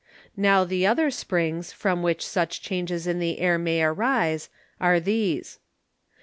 Now the other Springs, from which such Changes in the Air may arise, are these.